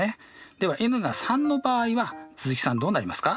ではｎが３の場合は鈴木さんどうなりますか？